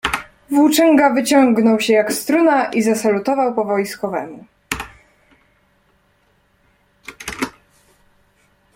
"Włóczęga wyciągnął się, jak struna i zasalutował po wojskowemu."